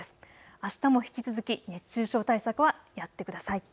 あしたも引き続き熱中症対策はやってください。